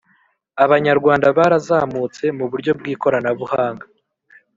Abanyarwanda barazamutse muburyo bw’ikoranabuhanga